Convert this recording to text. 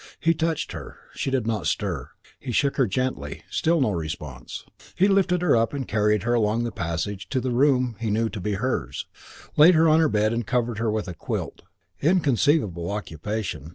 He touched her. She did not stir. He shook her gently; still no response. He lifted her up and carried her along the passage to the room he knew to be hers; laid her on her bed and covered her with a quilt. Inconceivable occupation.